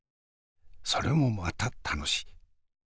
それもまた楽し。